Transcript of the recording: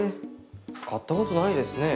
使ったことないですね。